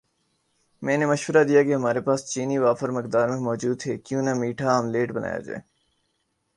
میں نے مشورہ دیا کہ ہماری پاس چینی وافر مقدار میں موجود ہے کیوں نہ میٹھا آملیٹ بنایا جائے